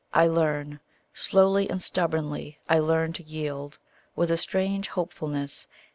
I learn Slowly and stubbornly I learn to yield With a strange hopefulness.